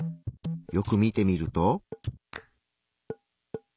よく見てみると。